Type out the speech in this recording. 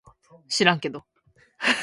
しらんけど